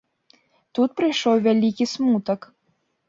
Тут прыйшоў вялікі смутак.